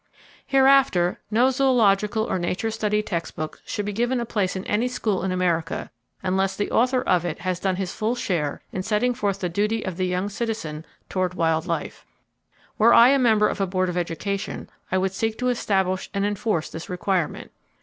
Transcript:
Hereafter, no zoological or nature study text book should be given a place in any school in America unless the author of it has done his full share in setting forth the duty of the young citizen toward wild life. [Page 378] Were I a member of a board of education I would seek to establish and enforce this requirement.